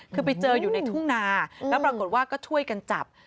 คือไปเจออยู่ในทุ่งนาแล้วปรากฏว่าก็ช่วยกันจับ